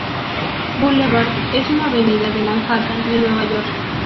Boulevard, es una avenida de Manhattan, en Nueva York.